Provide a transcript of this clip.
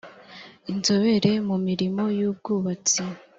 inzobere mu mirimo y ubwubatsi